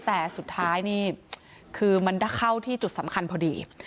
แต่สุดท้ายนี่คือมันเข้าที่จุดสำคัญพอดี